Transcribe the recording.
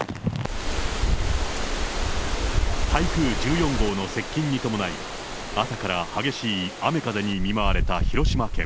台風１４号の接近に伴い、朝から激しい雨風に見舞われた広島県。